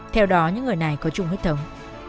theo đó những người này có chung hứa thống